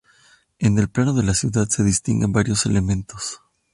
En el plano de la ciudad se distinguen varios elementos.